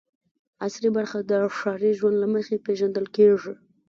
عصري برخه د ښاري ژوند له مخې پېژندل کېږي.